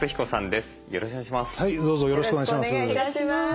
よろしくお願いします。